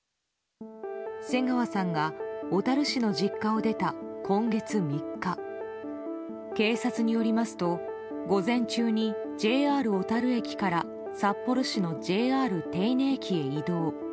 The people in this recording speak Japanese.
瀬川さんが小樽市の実家を出た今月３日警察によりますと午前中にＪＲ小樽駅から札幌市のＪＲ手稲駅へ移動。